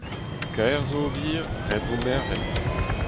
Kaer zo ober, ret 'vo mervel.